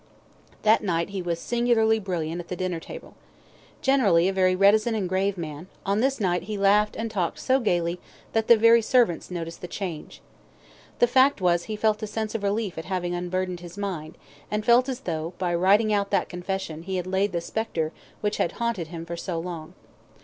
That night he was singularly brilliant at the dinner table. Generally a very reticent and grave man, on this night he laughed and talked so gaily that the very servants noticed the change. The fact was he felt a sense of relief at having unburdened his mind, and felt as though by writing out that confession he had laid the spectre which had haunted him for so long.